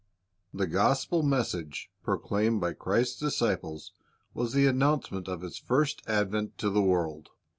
"" The gospel message proclaimed by Christ's disciples was the announcement of His first advent to the world.